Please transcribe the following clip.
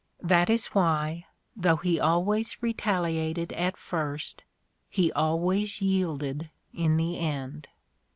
That is why, though he always retaliated at first, he always yielded in the end.